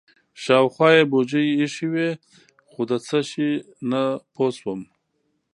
شاوخوا یې بوجۍ ایښې وې خو د څه شي نه پوه شوم.